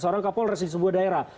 seorang kapolres di sebuah daerah